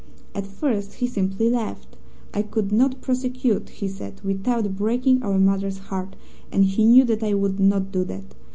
At first he simply laughed. I could not prosecute, he said, without breaking our mother's heart, and he knew that I would not do that.